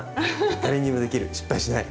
誰にでもできる失敗しない！